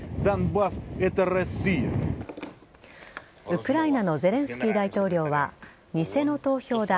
ウクライナのゼレンスキー大統領は偽の投票だ。